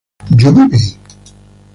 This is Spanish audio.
¿yo bebí?